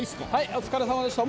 お疲れさまでした。